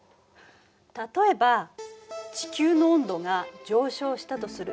例えば地球の温度が上昇したとする。